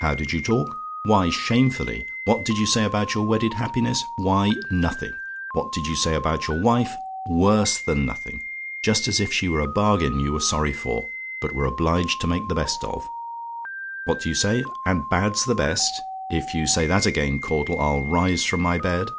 "HOW DID YOU TALK? "Why, shamefully! What did you say about your wedded happiness? Why, nothing. What did you say about your wife? Worse than nothing: just as if she were a bargain you were sorry for, but were obliged to make the best of. What do you say? "AND BAD'S THE BEST? "If you say that again, Caudle, I'll rise from my bed.